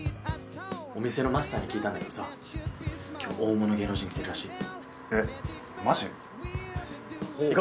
お店のマスターに聞いたんだけどさ、きょう、大物芸能人来てるらしい。